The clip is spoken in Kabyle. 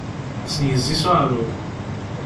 Ad sen-yezzi s uεrur.